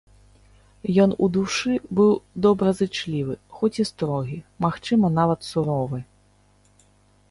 Ён у душы быў добразычлівы, хоць і строгі, магчыма, нават суровы.